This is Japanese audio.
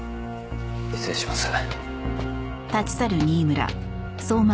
失礼します。